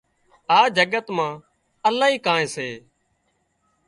آ جگت مان الاهي ڪانئين سي